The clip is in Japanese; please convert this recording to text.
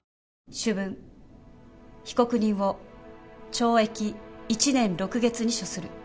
主文被告人を懲役１年６月に処する。